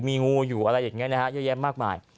มีงูอยู่อะไรอย่างนี้นะฮะเยอะแยะมากมาย